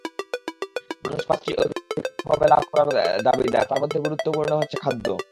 মানুষ পাঁচটি অধিকার জন্মগতভাবে লাভ করার দাবিদার, তার মধ্যে গুরুত্বপূর্ণ হচ্ছে খাদ্য।